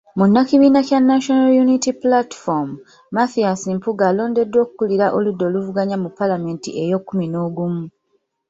Munnakibiina kya National Unity Platform, Mathias Mpuuga alondeddwa okukulira oludda oluvuganya mu Paalamenti ey’ekkumi n'ogumu.